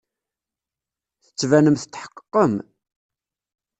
Tettbanem tetḥeqqeqem.